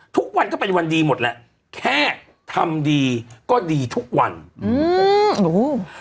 ทุกวันก็เป็นวันดีหมดแหละแค่ทำดีก็ดีทุกวันอืม